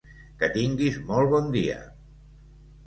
Que tinguis molt bon dia!